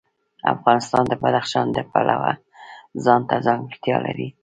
افغانستان د بدخشان د پلوه ځانته ځانګړتیا لري.